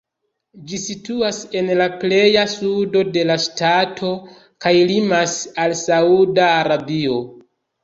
Ĝi situas en la pleja sudo de la ŝtato kaj limas al Sauda Arabio.